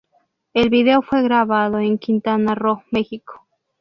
El vídeo fue grabado en Quintana Roo mexico.